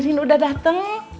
irin udah dateng